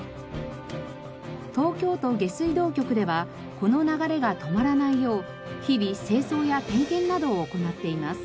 東京都下水道局ではこの流れが止まらないよう日々清掃や点検などを行っています。